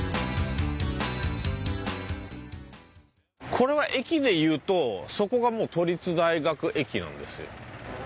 これは駅でいうとそこがもう都立大学駅なんですよ。